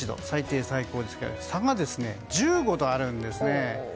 最低、最高の差が１５度あるんですね。